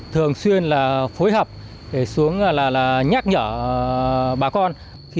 thường xuyên phối hợp để xuống nhắc nhở bà con